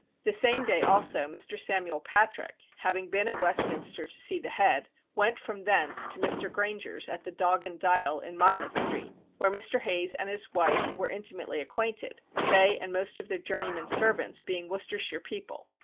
The same day also Mr. Samuel Patrick, having been at Westminster to see the head, went from thence to Mr. Grainger's at the Dog and Dial in Monmouth Street, where Mr. Hayes and his wife were intimately acquainted, they and most of their journeymen servants being Worcestershire people.